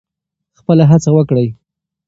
خپله هڅه وکړئ.